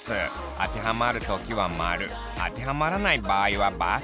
当てはまる時は○当てはまらない場合は×。